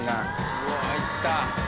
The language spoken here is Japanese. うわいった。